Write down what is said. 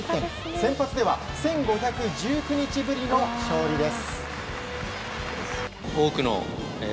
先発では１５１９日ぶりの勝利です。